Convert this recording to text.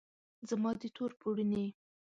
زما د تور پوړنې